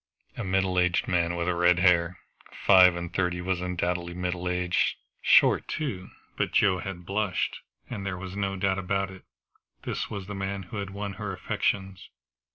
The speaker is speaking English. A middle aged man with red hair! Five and thirty was undoubtedly middle age. Short, too. But Joe had blushed, and there was no doubt about it; this was the man who had won her affections.